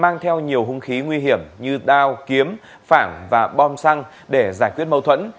nhiều hung khí nguy hiểm như đao kiếm phảng và bom xăng để giải quyết mâu thuẫn